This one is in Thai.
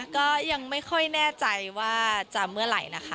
ก็ยังไม่ค่อยแน่ใจว่าจะเมื่อไหร่นะคะ